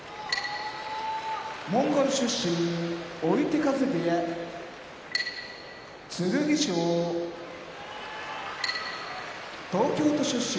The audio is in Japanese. モンゴル出身追手風部屋剣翔東京都出身